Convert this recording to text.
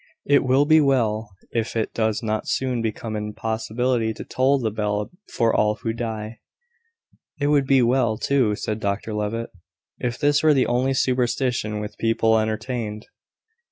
It will be well if it does not soon become an impossibility to toll the bell for all who die." "It would be well, too," said Dr Levitt, "if this were the only superstition the people entertained.